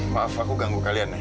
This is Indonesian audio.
maaf aku ganggu kalian